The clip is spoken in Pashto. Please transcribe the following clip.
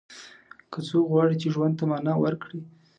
که څوک غواړي چې ژوند ته معنا ورکړي.